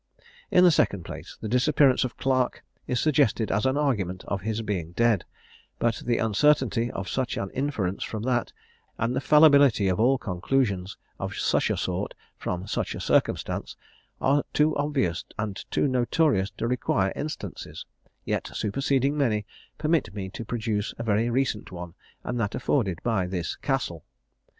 "In the second place, the disappearance of Clarke is suggested as an argument of his being dead; but the uncertainty of such an inference from that, and the fallibility of all conclusions of such a sort from such a circumstance, are too obvious and too notorious to require instances; yet superseding many, permit me to produce a very recent one, and that afforded by this Castle.